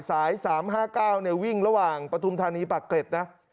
สาย๓๕๙วิ่งระหว่างปฐุมธานีปากเกร็ดนะ